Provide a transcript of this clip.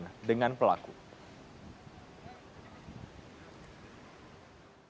ketika petugas berlalu berdiri di kota petugas menemukan petugas yang berada di kota